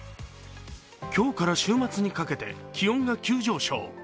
今日から週末にかけて気温が急上昇。